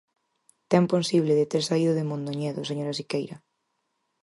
Ten posible de ter saído de Mondoñedo, señora Siqueira.